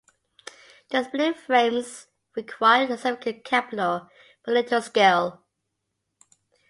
The spinning frames required significant capital but little skill.